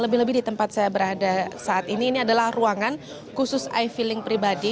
lebih lebih di tempat saya berada saat ini ini adalah ruangan khusus ey feeling pribadi